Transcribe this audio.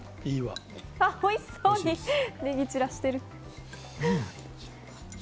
おいしそうにネギを散らしてる。